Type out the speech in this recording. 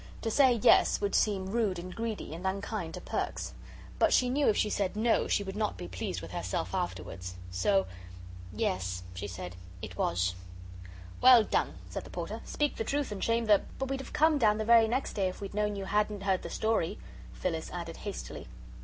To say "yes" would seem rude and greedy, and unkind to Perks. But she knew if she said "no," she would not be pleased with herself afterwards. So "Yes," she said, "it was." "Well done!" said the Porter; "speak the truth and shame the " "But we'd have come down the very next day if we'd known you hadn't heard the story," Phyllis added hastily.